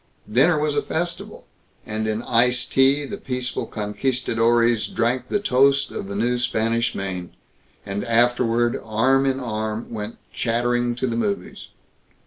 Dinner was a festival, and in iced tea the peaceful conquistadores drank the toast of the new Spanish Main; and afterward, arm in arm, went chattering to the movies.